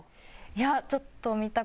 いやちょっと。